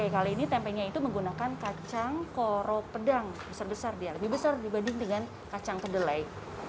kali ini tempenya itu menggunakan kacang koro pedang besar besar dia lebih besar dibanding dengan kacang kedelai